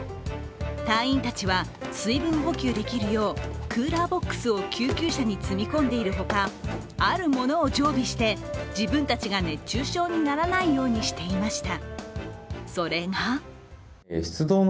隊員たちは、水分補給できるようクーラーボックスを救急車に積み込んでいるほかあるものを常備して自分たちが熱中症にならないようにしていました。